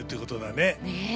ねえ。